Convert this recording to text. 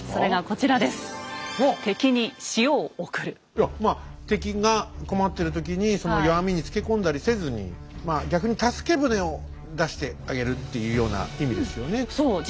いやまあ敵が困ってる時にその弱みにつけ込んだりせずに逆に助け船を出してあげるっていうような意味ですよね。